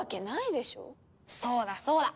そうだそうだ。